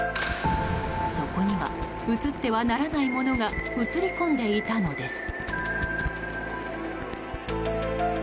そこには映ってはならないものが映り込んでいたのです。